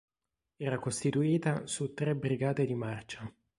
Era costituita su tre brigate di marcia.